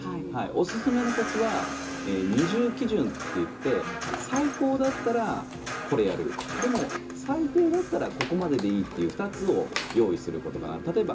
おすすめのコツは二重基準といって最高だったらこれをやるでも、最低だったらここまででいいという２つを用意することですね。